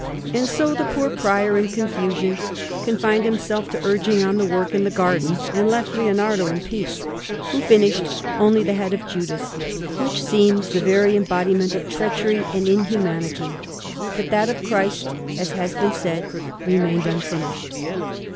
And so the poor Prior, in confusion, confined himself to urging on the work in the garden, and left Leonardo in peace, who finished only the head of Judas, which seems the very embodiment of treachery and inhumanity; but that of Christ, as has been said, remained unfinished.